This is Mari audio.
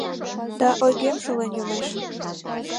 Да ойгем шулен йомеш